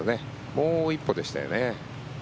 もう一歩でしたよね。